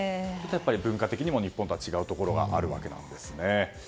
文化的にも日本とは違うところがあるわけですね。